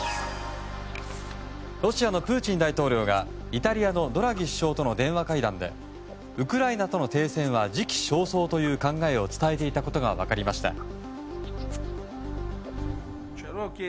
ロシアのプーチン大統領がイタリアのドラギ首相との電話会談でウクライナとの停戦は時期尚早という考えを伝えていたことが分かりました。